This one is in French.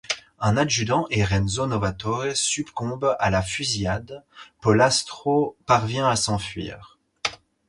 Un adjudant et Renzo Novatore succombent à la fusillade, Pollastro parvient à s'enfuir.